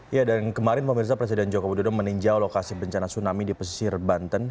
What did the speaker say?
ya dan kemarin pemirsa presiden joko widodo meninjau lokasi bencana tsunami di pesisir banten